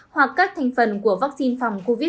hoặc các thành phần của vaccine phòng covid một mươi chín